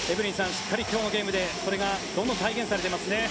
しっかり今日のゲームでそれがどんどん再現されていますね。